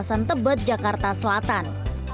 kawasan tebet jakarta selatan